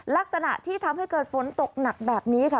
ลักษณะที่ทำให้เกิดฝนตกหนักแบบนี้ค่ะ